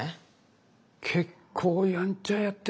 結構やんちゃやってたか。